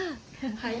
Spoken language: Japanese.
はい。